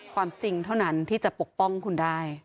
ความจริงเท่านั้นที่จะปกป้องคุณได้